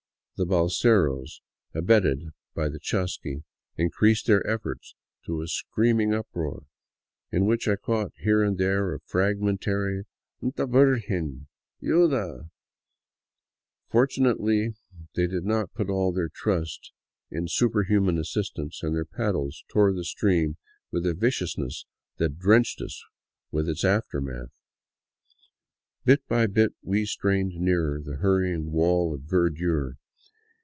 The balseros, abetted by the chasqui, increased their efforts to a screaming uproar, in which I caught here and there a fragmentary " 'nta Virgen ... 'yuda !" Fortunately they did not put all their trust in superhuman assistance, and their paddles tore at the stream with a viciousness that drenched us with its after math. Bit by bit we strained nearer the hurrying wall of verdure.